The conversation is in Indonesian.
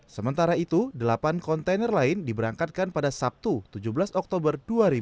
sementara itu delapan kontainer lain diberangkatkan pada sabtu tujuh belas oktober dua ribu dua puluh